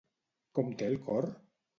Com té el cor?